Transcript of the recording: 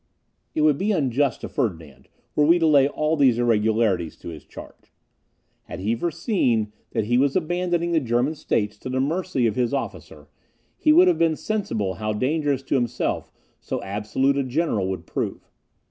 It would be unjust to Ferdinand, were we to lay all these irregularities to his charge. Had he foreseen that he was abandoning the German States to the mercy of his officer, he would have been sensible how dangerous to himself so absolute a general would prove.